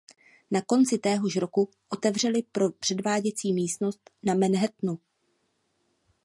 Na konci téhož roku otevřeli předváděcí místnost na Manhattanu.